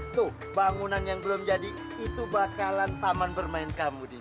tuh bangunan yang belum jadi itu bakalan taman bermain kamu di